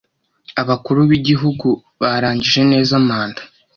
Abakuru b ‘Igihugu barangije neza manda.